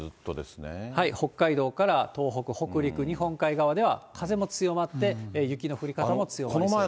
北海道から東北、北陸、日本海側では風も強まって、雪の降り方も強まりそうです。